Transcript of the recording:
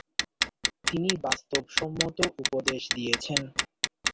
তিনি বাস্তবসম্মত উপদেশ দিয়েছেন।